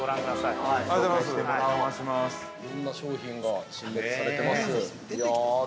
◆いろんな商品が陳列されています。